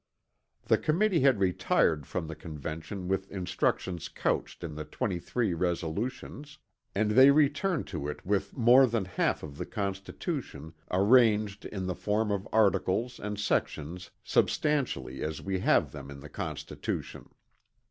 The Committee had retired from the Convention with instructions couched in the 23 resolutions, and they returned to it with more than half of the Constitution, arranged in the form of articles and sections substantially as we have them in the Constitution.